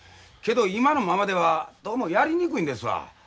けど今のままではどうもやりにくいんですわ。